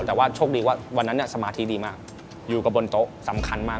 แต่ว่าโชคดีว่าวันนั้นสมาธิดีมากอยู่กับบนโต๊ะสำคัญมาก